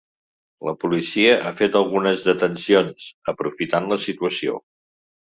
La policia ha fet algunes detencions aprofitant la situació.